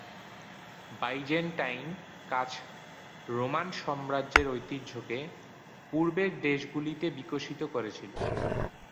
Byzantine কাচ Roman সাম্রাজ্যের ঐতিহ্যকে পূর্বের দেশগুলিতে বিকশিত করেছিল।